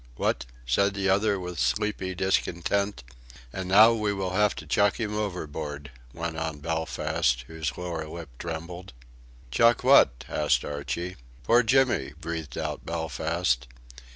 "What?" said the other, with sleepy discontent. "And now we will have to chuck him overboard," went on Belfast, whose lower lip trembled. "Chuck what?" asked Archie. "Poor Jimmy," breathed out Belfast.